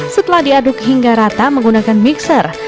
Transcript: setelah diaduk hingga rata menggunakan mixer